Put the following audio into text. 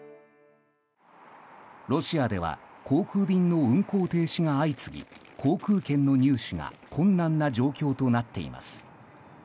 ロシアでは航空便の運航停止が相次ぎ航空券の入手が困難な状況となっています。